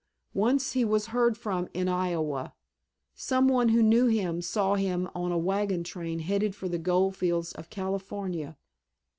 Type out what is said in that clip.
Once he was heard from in Iowa; some one who knew him saw him on a wagon train headed for the gold fields of California.